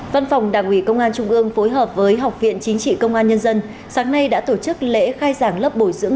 văn phòng đảng ủy công an trung ương phối hợp với học viện chính trị công an nhân dân sáng nay đã tổ chức lễ khai giảng lớp bồi dưỡng